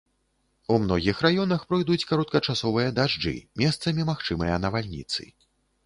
У многіх раёнах пройдуць кароткачасовыя дажджы, месцамі магчымыя навальніцы.